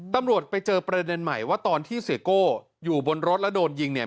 ตำรวจไปเจอประเด็นใหม่ว่าตอนที่เสียโก้อยู่บนรถแล้วโดนยิงเนี่ย